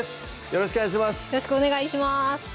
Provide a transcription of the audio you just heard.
よろしくお願いします